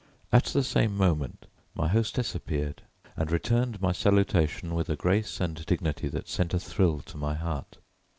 At the same moment my hostess appeared and returned my salutation with a grace and dignity that sent a thrill to my heart.